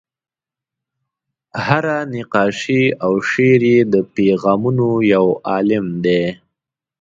هره نقاشي او شعر یې د پیغامونو یو عالم دی.